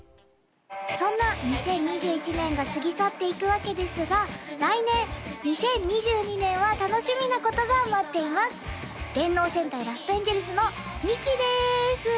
そんな２０２１年が過ぎ去っていくわけですが来年２０２２年は楽しみなことが待っています「電脳戦隊ラストエンジェルス」の２期です！